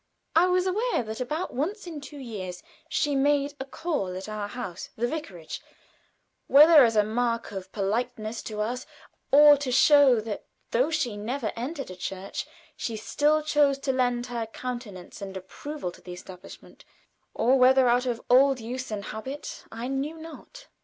I was aware that about once in two years she made a call at our house, the vicarage, whether as a mark of politeness to us, or to show that, though she never entered a church, she still chose to lend her countenance and approval to the Establishment, or whether merely out of old use and habit, I knew not.